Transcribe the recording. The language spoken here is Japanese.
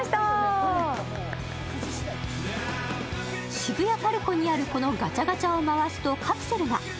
渋谷ＰＡＲＣＯにあるこのガチャガチャを回すとカプセルが。